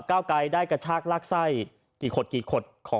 ก้าวกายได้กระชากลากไส้กี่ขดกี่ขด